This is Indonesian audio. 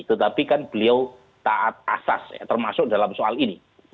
tetapi kan beliau taat asas termasuk dalam soal ini